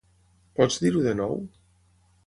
Pots dir-ho de nou?